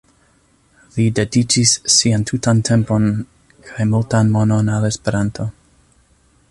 Li dediĉis sian tutan tempon kaj multan monon al Esperanto.